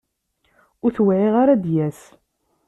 Ur t-wεiɣ ara ad d-yas.